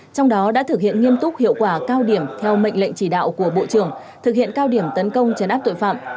trong đó đã thực hiện nghiêm túc hiệu quả cao điểm theo mệnh lệnh chỉ đạo của bộ trưởng thực hiện cao điểm tấn công chấn áp tội phạm